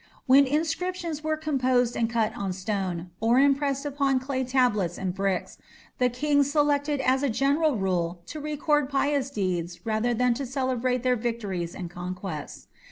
When inscriptions were composed and cut on stone, or impressed upon clay tablets and bricks, the kings selected as a general rule to record pious deeds rather than to celebrate their victories and conquests.